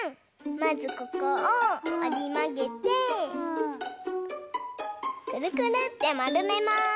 まずここをおりまげてくるくるってまるめます！